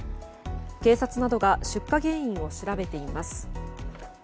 警察などが出火原因を調べています。